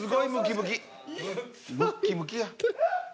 ムッキムキや。